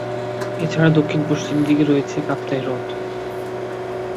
এছাড়া দক্ষিণ-পশ্চিম দিকে রয়েছে কাপ্তাই হ্রদ।